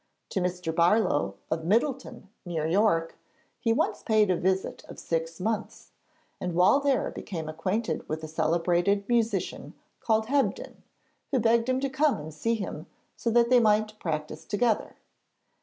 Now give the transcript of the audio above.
To Mr. Barlow, of Middleton near York, he once paid a visit of six months, and while there became acquainted with a celebrated musician called Hebdin, who begged him to come and see him, so that they might practise together.